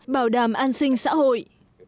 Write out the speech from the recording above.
bảo đảm an sinh xã hội